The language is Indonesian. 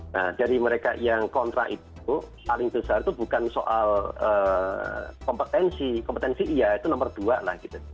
nah dari mereka yang kontra itu paling besar itu bukan soal kompetensi kompetensi iya itu nomor dua lah gitu